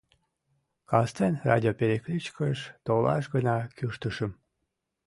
Кастен радиоперекличкыш толаш гына кӱштышым.